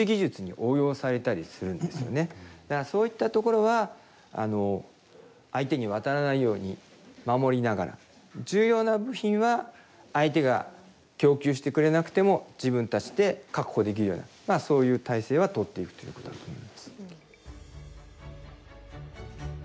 だからそういったところは相手に渡らないように守りながら重要な部品は相手が供給してくれなくても自分たちで確保できるようなそういう態勢は取っていくということだと思います。